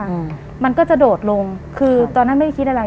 อืมมันก็จะโดดลงคือตอนนั้นไม่ได้คิดอะไร